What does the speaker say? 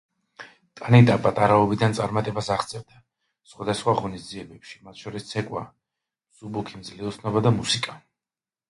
ტანიტა პატარაობიდან წარმატებას აღწევდა სხვადასხვა ღონისძიებებში, მათ შორის ცეკვა, მსუბუქი მძლეოსნობა და მუსიკა.